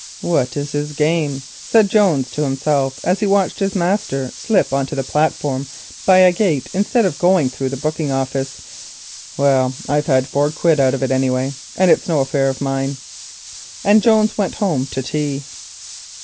"What's his game?" said Jones to himself as he watched his master slip on to the platform by a gate instead of going through the booking office. "Well, I've had four quid out of it, any way, and it's no affair of mine." And Jones went home to tea.